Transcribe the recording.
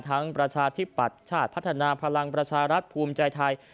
ทั้งประชาธิปัชฌาชน์พัฒนาพลังประชารัฐภูมิใจไทย